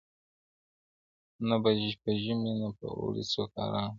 • نه په ژمي نه په اوړي څوک آرام وو -